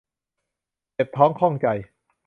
เจ็บท้องข้องใจ